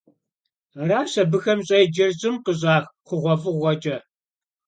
Araş abıxem ş'êcer ş'ım khış'ax xhuğuef'ığuexeç'e.